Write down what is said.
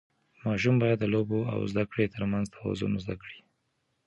ماشوم باید د لوبو او زده کړې ترمنځ توازن زده کړي.